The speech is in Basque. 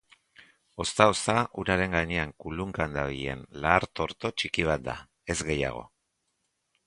Ozta-ozta uraren gainean kulunkan dabilen lahar-torto txiki bat da, ez gehiago.